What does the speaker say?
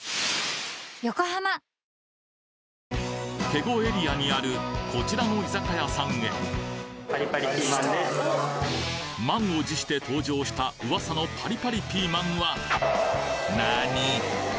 警固エリアにあるこちらの居酒屋さんへ満を持して登場した噂のパリパリピーマンはなに！？